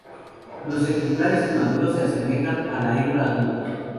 Los ejemplares inmaduros se asemejan a la hembra adulta.